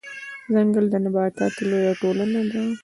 ځنګل د نباتاتو لويه ټولنه ده